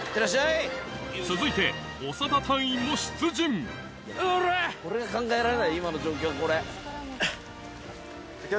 続いて長田隊員も出陣うりゃ！